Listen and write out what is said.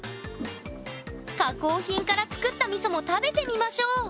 加工品から作ったみそも食べてみましょう！